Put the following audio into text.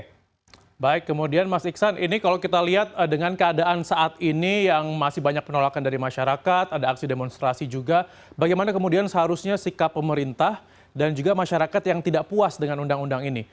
oke baik kemudian mas iksan ini kalau kita lihat dengan keadaan saat ini yang masih banyak penolakan dari masyarakat ada aksi demonstrasi juga bagaimana kemudian seharusnya sikap pemerintah dan juga masyarakat yang tidak puas dengan undang undang ini